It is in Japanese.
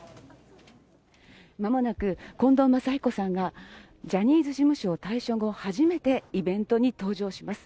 まもなく近藤真彦さんが、ジャニーズ事務所を退所後、初めてイベントに登場します。